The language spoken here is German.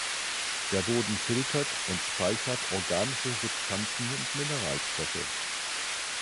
Der Boden filtert und speichert organische Substanzen und Mineralstoffe.